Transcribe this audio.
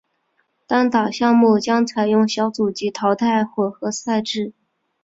单打项目将采用小组及淘汰混合赛制。